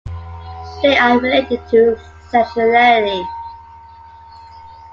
They are related to sexuality.